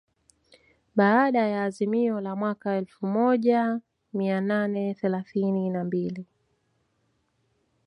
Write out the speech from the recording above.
Baada ya azimio la mwaka wa elfu moja mia nane thelathini na mbili